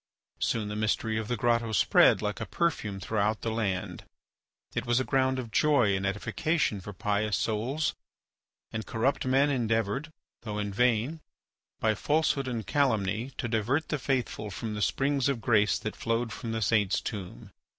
Soon the mystery of the grotto spread like a perfume throughout the land; it was a ground of joy and edification for pious souls, and corrupt men endeavoured, though in vain, by falsehood and calumny, to divert the faithful from the springs of grace that flowed from the saint's tomb.